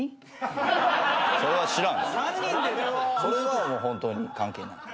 それはもうホントに関係ない。